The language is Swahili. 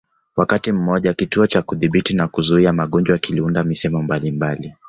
Wakati mmoja Kituo cha Kudhibiti na Kuzuia Magonjwa kiliunda misemo mbalimbali